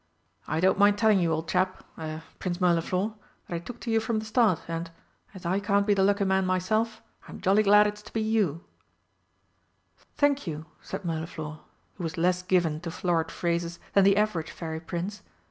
"I don't mind telling you, old chap er Prince Mirliflor, that I took to you from the start, and as I can't be the lucky man myself, I'm jolly glad it's to be you!" "Thank you," said Mirliflor, who was less given to florid phrases than the average Fairy Prince.